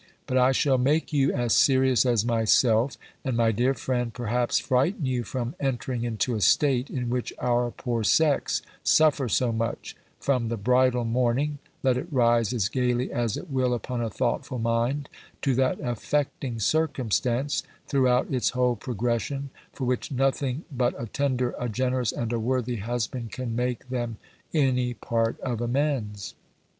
But I shall make you as serious as myself; and, my dear friend, perhaps, frighten you from entering into a state, in which our poor sex suffer so much, from the bridal morning, let it rise as gaily as it will upon a thoughtful mind, to that affecting circumstance, (throughout its whole progression), for which nothing but a tender, a generous, and a worthy husband can make them any part of amends.